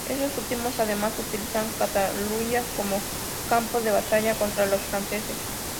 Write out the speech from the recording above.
Estos últimos, además, utilizan Cataluña como campo de batalla contra los franceses.